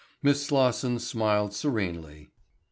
Miss Slosson smiled serenely.